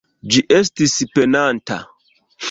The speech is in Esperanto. Ĝi estis penanta.